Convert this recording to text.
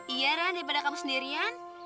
iya rah daripada kamu sendirian